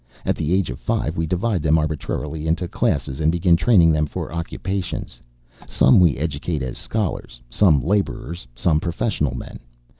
At the age of five we divide them arbitrarily into classes and begin training them for occupations. Some we educate as scholars, some laborers, some professional men.